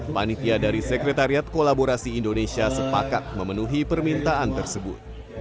panitia dari sekretariat kolaborasi indonesia sepakat memenuhi permintaan tersebut